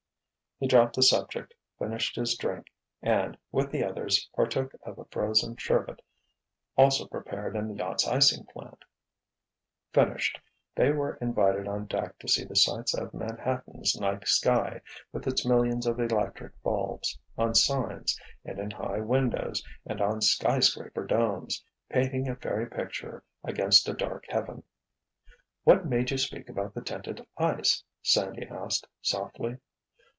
He dropped the subject, finished his drink and, with the others, partook of a frozen sherbet also prepared in the yacht's icing plant. Finished, they were invited on deck to see the sights of Manhattan's night sky, with its millions of electric bulbs, on signs and in high windows, and on skyscraper domes, painting a fairy picture against a dark heaven. "What made you speak about the tinted ice?" Sandy asked, softly.